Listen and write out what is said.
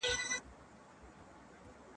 په دغه کورکي به لوګی وو اوس هغه نه ښکاري